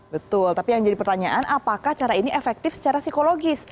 betul tapi yang jadi pertanyaan apakah cara ini efektif secara psikologis